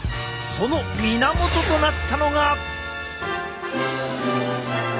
その源となったのが。